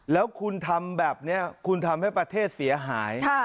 แล้วคุณทำแบบนี้คุณทำให้ประเทศเสียหาย